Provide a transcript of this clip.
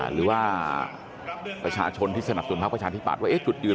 หรือว่าประชาชนที่สนับสนพักประชาธิบัตย์ว่าจุดยืน